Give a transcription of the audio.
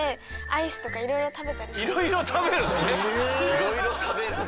いろいろ食べるの？